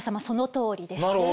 そのとおりです。